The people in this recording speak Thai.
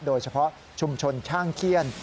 โดยเฉพาะชุมชนช่างเขี้ยน